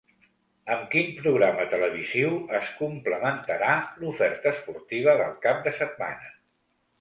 Amb quin programa televisiu es complementarà l'oferta esportiva del cap de setmana?